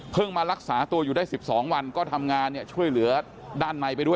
มารักษาตัวอยู่ได้๑๒วันก็ทำงานช่วยเหลือด้านในไปด้วย